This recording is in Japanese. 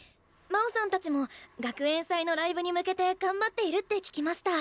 摩央さんたちも学園祭のライブに向けて頑張っているって聞きました。